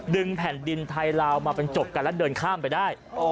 แผ่นดินไทยลาวมาเป็นจบกันแล้วเดินข้ามไปได้